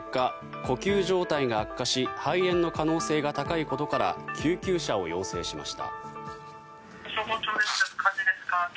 呼吸状態が悪化し肺炎の可能性が高いことから救急車を要請しました。